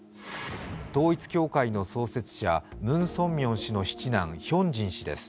統一教会の創設者、ムン・ソンミョン氏の七男、ヒョンジン氏です。